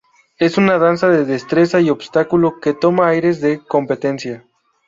Es una danza de destreza y obstáculo que toma aires de competencia.